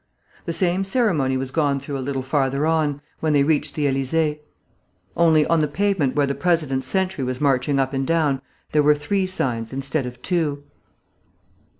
The same ceremony was gone through a little further on, when they reached the Elysée. Only, on the pavement where the President's sentry was marching up and down, there were three signs instead of two.